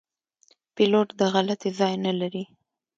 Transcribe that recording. پیلوټ د غلطي ځای نه لري.